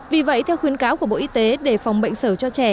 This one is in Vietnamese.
vì vậy theo khuyến cáo của bộ y tế để phòng bệnh sở cho trẻ